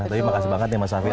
tapi makasih banget nih mas safir